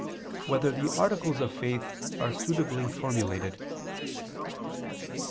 8] Whether the Articles of Faith Are Suitably Formulated?